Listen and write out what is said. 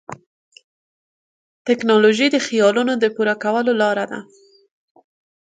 ټیکنالوژي د خیالونو د پوره کولو لاره ده.